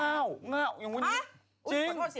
ง้าวง้าวอย่างนู้นอย่างนู้นอย่างนี้